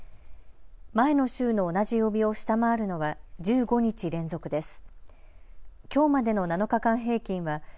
前の週の同じ曜日を下回るのは１５日連続です。